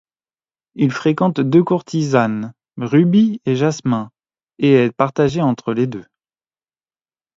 Il fréquente deux courtisanes, Rubis et Jasmin, et est partagé entre les deux.